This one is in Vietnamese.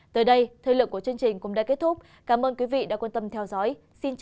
tới đây thời lượng của chương trình cũng đã kết thúc cảm ơn quý vị đã quan tâm theo dõi xin chào và gặp lại